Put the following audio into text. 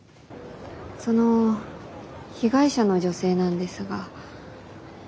その被害者の女性なんですが。